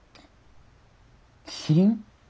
キリン？